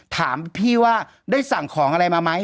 ถามพี่ว่าได้สั่งของอะไรมาไหม